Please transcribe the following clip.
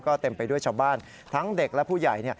ก็เต็มไปด้วยชาวบ้านทั้งเด็กและผู้ใหญ่